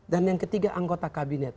dan yang ketiga anggota kabinet